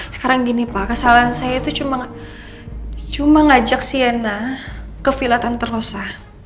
sekarang gini pak kesalahan saya itu cuma ngajak siana ke villatan terlosa